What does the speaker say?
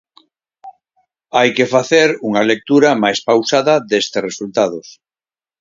Hai que facer unha lectura máis pausada destes resultados.